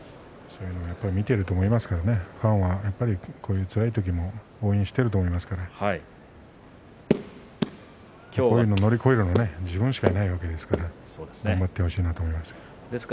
そういうの見ていると思いますからファンはこういうつらい時も応援していると思いますからこういうのを乗り越えるのは自分しかいないわけですから頑張ってほしいなと思います。